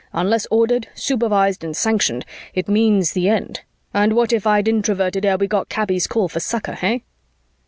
Unless ordered, supervised and sanctioned, it means the end. And what if I'd Introverted ere we got Kaby's call for succor, hey?"